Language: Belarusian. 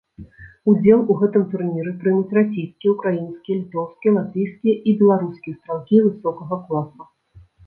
Удзел у гэтым турніры прымуць расійскія, украінскія, літоўскія, латвійскія і беларускія стралкі высокага класа.